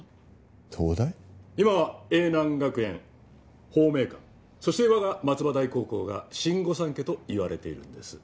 今は永南学園宝明館そして我が松葉台高校が新御三家といわれているんです。